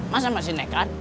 masa masih nekat